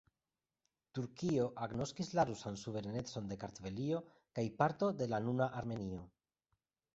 Turkio agnoskis la rusan suverenecon de Kartvelio kaj parto de la nuna Armenio.